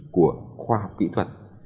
của khoa học kỹ thuật